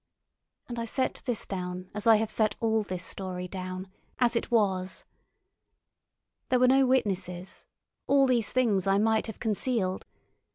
And I set this down as I have set all this story down, as it was. There were no witnesses—all these things I might have concealed.